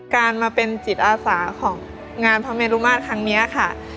การมาเป็นจิตอาสาของงานพระเมรุมาตรครั้งนี้ค่ะ